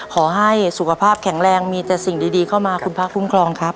ขอให้สุขภาพแข็งแรงมีแต่สิ่งดีเข้ามาคุณพระคุ้มครองครับ